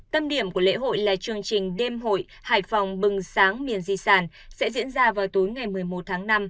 tâm điểm của lễ hội là chương trình đêm hội hải phòng bừng sáng miền di sản sẽ diễn ra vào tối ngày một mươi một tháng năm